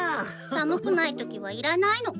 寒くないときはいらないの。